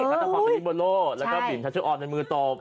นัทพรการมิบโบโล้ถูกแล้วก็บินชาชุออนส์อย่างมือตบอ๋อ